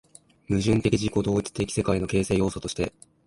矛盾的自己同一的世界の形成要素として